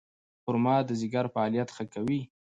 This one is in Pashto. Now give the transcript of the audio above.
خرما د ځیګر فعالیت ښه کوي.